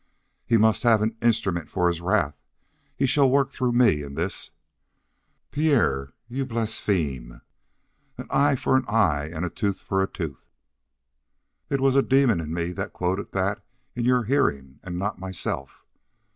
'" "He must have an instrument for his wrath. He shall work through me in this." "Pierre, you blaspheme." "'An eye for an eye, and a tooth for a tooth.'" "It was a demon in me that quoted that in your hearing, and not myself."